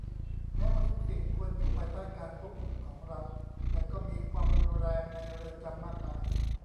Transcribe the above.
แม้ว่าทุกสิ่งควรอยู่ภายใต้การควบคุมของรัฐ แต่ก็มีความรุนแรงในเรือนจำมากมาย